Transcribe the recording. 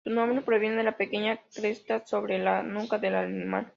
Su nombre proviene de la pequeña cresta sobre la nuca del animal.